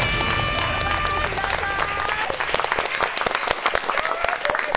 頑張ってください。